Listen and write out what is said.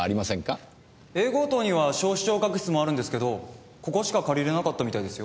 Ａ号棟には小視聴覚室もあるんですけどここしか借りられなかったみたいですよ。